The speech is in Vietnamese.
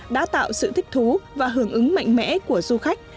đã tạo sự thích thú và hưởng ứng mạnh mẽ của du khách